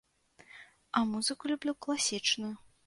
А музыку люблю класічную.